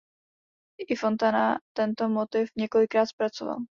I Fontana tento motiv několikrát zpracoval.